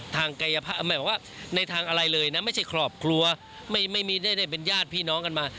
ทางไกยภาพอ่าหมายถึงว่าในทางอะไรเลยนะไม่ใช่ครอบครัวไม่ไม่มีได้ได้เป็นญาติพี่น้องกันมา